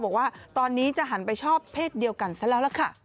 บอกว่าตอนนี้จะหันไปชอบเพศเดียวกันซะแล้วล่ะค่ะ